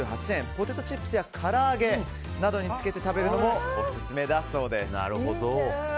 ポテトチップスやから揚げなどにつけて食べるのもオススメだそうです。